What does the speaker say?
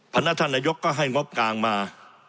พนักธนยกก็ให้งบกลางมา